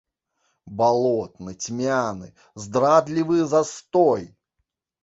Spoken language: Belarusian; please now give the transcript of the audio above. Балотны, цьмяны, здрадлівы застой!